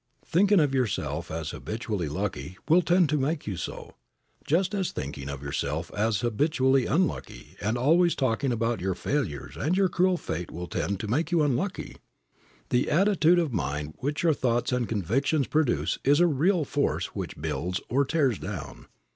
Thinking of yourself as habitually lucky will tend to make you so, just as thinking of yourself as habitually unlucky and always talking about your failures and your cruel fate will tend to make you unlucky. The attitude of mind which your thoughts and convictions produce is a real force which builds or tears down.